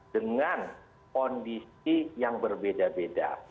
dengan kondisi yang berbeda beda